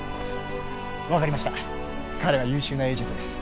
分かりました彼は優秀なエージェントです